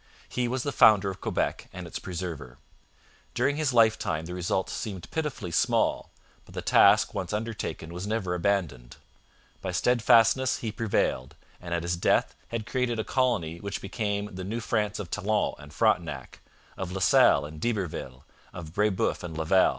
He was the founder of Quebec and its preserver. During his lifetime the results seemed pitifully small, but the task once undertaken was never abandoned. By steadfastness he prevailed, and at his death had created a colony which became the New France of Talon and Frontenac, of La Salle and D'Iberville, of Brebeuf and Laval.